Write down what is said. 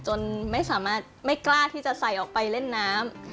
จนไม่สามารถไม่กล้าที่จะใส่ออกไปเล่นน้ำ